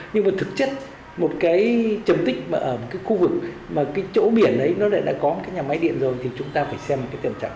nhưng mà thực chất một cái trầm tích ở một cái khu vực mà cái chỗ biển ấy nó đã có một cái nhà máy điện rồi thì chúng ta phải xem một cái tưởng trọng